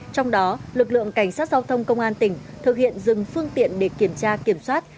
trong đó lực lượng cảnh sát giao thông công an tỉnh thực hiện dừng phương tiện để kiểm tra kiểm soát